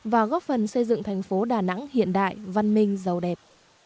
và góp phần xây dựng thành phố đà nẵng hiện đại văn minh giàu đẹp